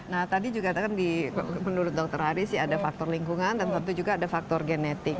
nah tadi juga menurut dokter hari sih ada faktor lingkungan dan satu juga ada faktor genetik